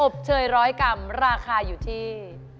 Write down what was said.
อบเชย๑๐๐กรัมราคาอยู่ที่